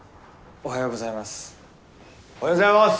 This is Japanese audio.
おはようございます。